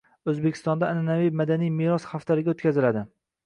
O‘zbekistonda an’anaviy madaniy meros haftaligi o‘tkaziladi